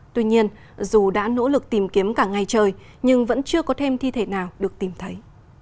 tuy nhiên dù đã nỗ lực tìm kiếm cả ngày trời nhưng vẫn chưa có thêm thi thể nào được tìm thấy